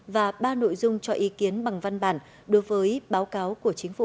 và ba nội dung cho ý kiến bằng văn bản đối với báo cáo của chính phủ